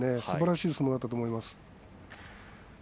すばらしい相撲だったと思います。